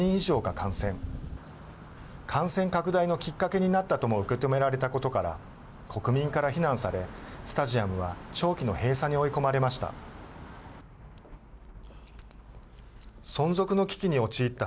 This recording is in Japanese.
感染拡大のきっかけになったとも受け止められたことから国民から非難されスタジアムは長期の閉鎖に追い込まれました。